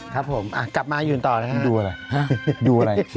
ครับผมอ่ะกลับมายูธร์ต่อยุณต่อนะครับครับดูอะไรดูอะไรเนี่ย